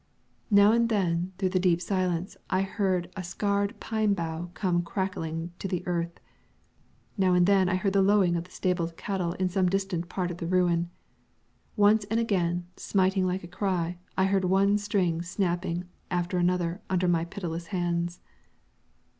Now and then, through the deep silence, I heard a scarred pine bough come crackling to the earth; now and then I heard the lowing of the stabled cattle in some distant part of the ruin; once and again, smiting like a cry, I heard one string snapping after another under my pitiless hands.